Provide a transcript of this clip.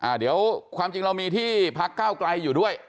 เดี๋ยวความจริงเรามีที่พักเก้าไกลอยู่ด้วย